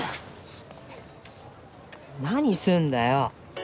何すんだよ？